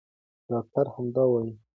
ډاکټره همدا وايي.